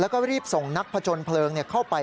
แล้วก็รีบส่งนักผจญเพลิงเข้าไป